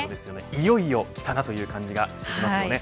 いよいよきたなという感じがします。